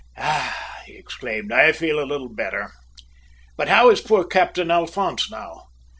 "Ah!" he exclaimed, "I feel a little better. But how is poor Captain Alphonse now?"